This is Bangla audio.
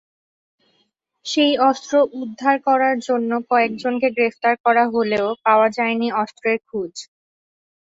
সেই অস্ত্র উদ্ধার করার জন্য কয়েকজনকে গ্রেফতার করা হলেও পাওয়া যায়নি অস্ত্রের খোঁজ।